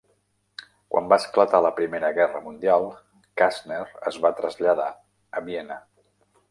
Quan va esclatar de la Primera Guerra Mundial, Kassner es va traslladar a Viena.